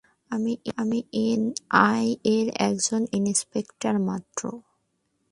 আমি এনআইএ-র একজন ইন্সপেক্টর মাত্র।